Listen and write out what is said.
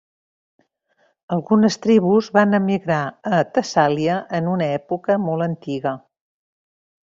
Algunes tribus van emigrar a Tessàlia en una època molt antiga.